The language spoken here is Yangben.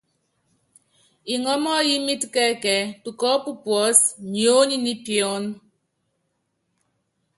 Ŋɔɔ́ mɔ́ɔyimɛt kɛ ɛkɛɛ́, tukɔɔp puɔ́sɛ́ niony ni piɔ́n.